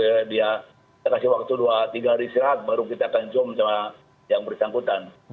kita akan teruskan nanti mungkin dia kasih waktu dua tiga hari sehat baru kita akan jom sama yang bersangkutan